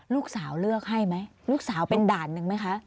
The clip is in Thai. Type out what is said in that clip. ลูกสาวเลือกให้ไหมลูกสาวเป็นด่านหนึ่งไหมคะ